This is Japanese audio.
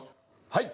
はい！